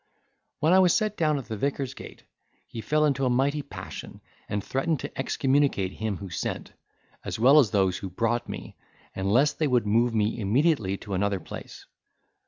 When I was set down at the vicar's gate, he fell into a mighty passion, and threatened to excommunicate him who sent, as well as those who brought me, unless they would move me immediately to another place.